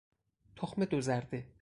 تخم دو زرده